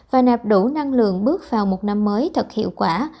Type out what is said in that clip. và nạp đủ năng lượng bước vào một năm mới thật hiệu quả